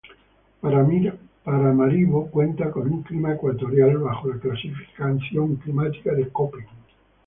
Paramaribo cuenta con un clima ecuatorial, bajo la clasificación climática de Köppen.